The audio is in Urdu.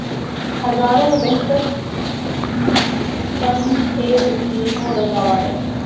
ہزاروں میں بہتر تن تھے تسلیم و رضا والے